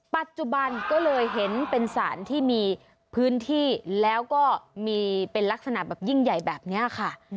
ปัจจุบันก็เลยเห็นเป็นสารที่มีพื้นที่แล้วก็มีเป็นลักษณะแบบยิ่งใหญ่แบบนี้ค่ะ